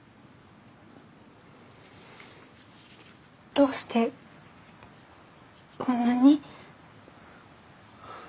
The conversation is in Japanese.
どうしてこんなに？